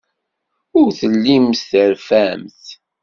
Ur tellimt terfamt.